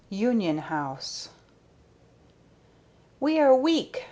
UNION HOUSE. "We are weak!"